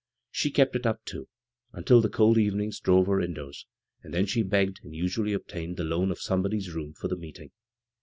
She kept it up, too, until the cold evenings drove her indoors ; and then she begged — and usually obtained — the loan of somebody's room for the meeting.